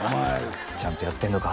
「ちゃんとやってんのか」